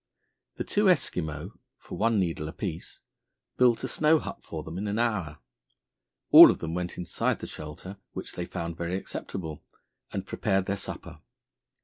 The two Eskimo, for one needle apiece, built a snow hut for them in an hour. All of them went inside the shelter, which they found very acceptable, and prepared their supper.